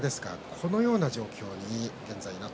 このような状況です。